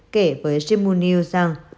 kể với jimu news rằng